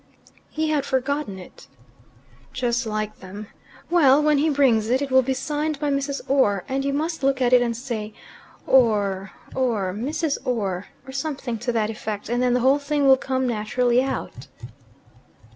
"He had forgotten it." "Just like them. Well, when he brings it, it will be signed by Mrs. Orr, and you must look at it and say, 'Orr Orr Mrs. Orr?' or something to that effect, and then the whole thing will come naturally out."